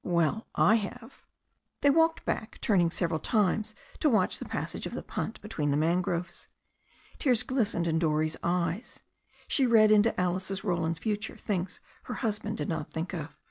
"Well, I have." They walked back, turning several times to watch the passage of the punt between the mangroves. Tears glistened in Dorrie's eyes. She read into Alice Roland's future things her husband did not think of.